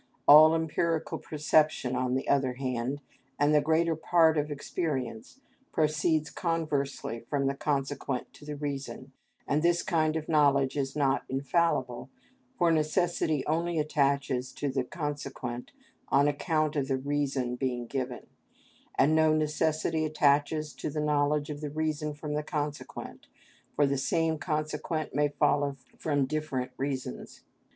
All empirical perception, on the other hand, and the greater part of experience, proceeds conversely from the consequent to the reason, and this kind of knowledge is not infallible, for necessity only attaches to the consequent on account of the reason being given, and no necessity attaches to the knowledge of the reason from the consequent, for the same consequent may follow from different reasons.